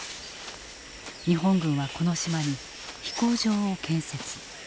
日本軍はこの島に飛行場を建設。